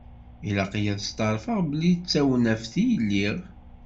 Ilaq-iyi ad stεerfeɣ belli d tawnaft i lliɣ.